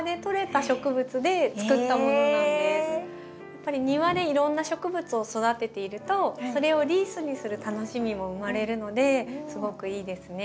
やっぱり庭でいろんな植物を育てているとそれをリースにする楽しみも生まれるのですごくいいですね。